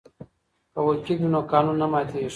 که وکیل وي نو قانون نه ماتیږي.